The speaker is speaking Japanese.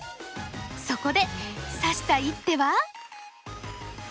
そこで指した一手は。